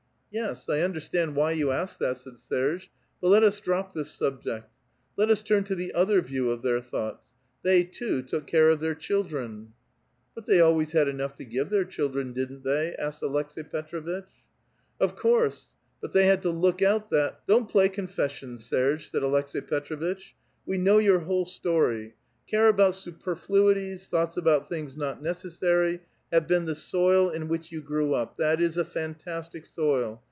" Yes, I understand why you ask that," said Serge ;'■' but let us drop this subject. Let us turn to tiie other view of their thoughts. They, too, took care of their children." '* Hut they always had enough to give their children, didn't thev ?" asked Aleks^i Petr6vitch. "Of course ; but they had to look out that —" "Don't play 'Confession,* Serge," said Aleks^i Petr6 vitch. "We know j'our whole story; care about superflui ties, thoughts about things not necessary, have been the soil in which you grew up ; that is, a fantastic soil.